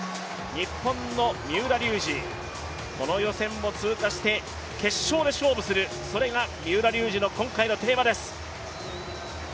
日本の三浦龍司、この予選を通過して決勝で勝負する、それが三浦龍司の今回のテーマです。